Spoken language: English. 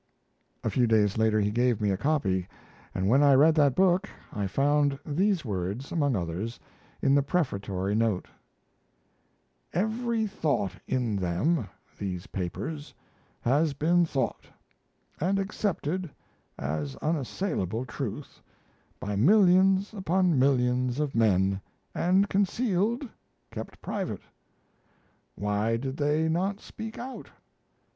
A few days later he gave me a copy, and when I read that book, I found these words, among others, in the prefatory note: "Every thought in them (these papers) has been thought (and accepted as unassailable truth) by millions upon millions of men and concealed, kept private. Why did they not speak out?